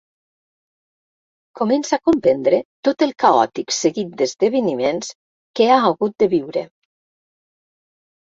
Comença a comprendre tot el caòtic seguit d'esdeveniments que ha hagut de viure.